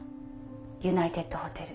ユナイテッドホテル。